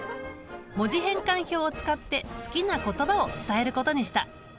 文字変換表を使って好きな言葉を伝えることにした。